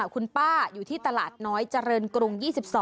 คุณป้าอยู่ที่ตลาดน้อยเจริญกรุง๒๒